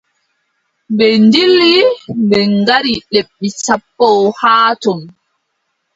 Ɓe ndilli, ɓe ngaɗi lebbi sappo haa ton.